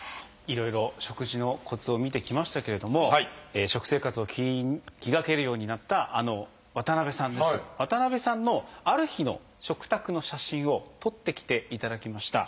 いろいろ食事のコツを見てきましたけれども食生活を気にかけるようになった渡さんですけど渡さんのある日の食卓の写真を撮ってきていただきました。